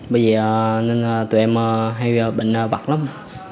bởi vì tụi em hay bị bệnh vặt lắm